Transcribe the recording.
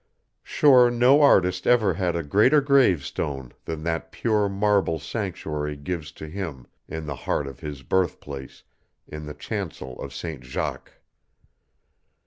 Sure no artist ever had a greater gravestone than that pure marble sanctuary gives to him in the heart of his birthplace in the chancel of St. Jacques.